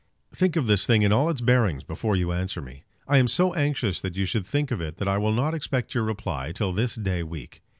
Think of this thing in all its bearings before you answer me. I am so anxious that you should think of it that I will not expect your reply till this day week.